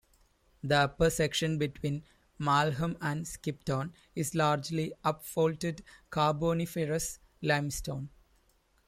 The upper section between Malham and Skipton is largely upfaulted Carboniferous limestone.